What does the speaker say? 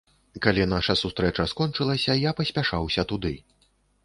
Калі наша сустрэча скончылася, я паспяшаўся туды.